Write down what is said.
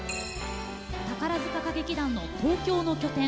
宝塚歌劇団の東京の拠点